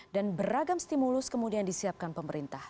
dan beragam stimulus kemudian disiapkan pemerintah